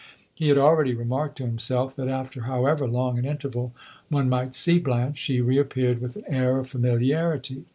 He had already remarked to himself that after however long an interval one might see Blanche, she re appeared with an air of familiarity.